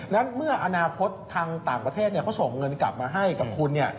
และเมื่ออนาคตทางต่างประเทศเขาส่งเงินกลับมาให้กับคุณ